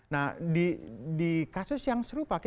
nah di kasus yang serupa